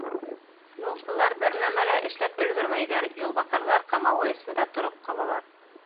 Юлсылар бер нәмә лә эшләп өлгөрмәйҙәр, юлбаҫарҙар ҡамауы эсендә тороп ҡалалар.